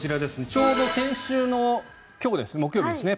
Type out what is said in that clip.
ちょうど先週の今日木曜日ですね。